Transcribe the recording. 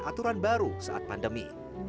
aturan baru saat pandemi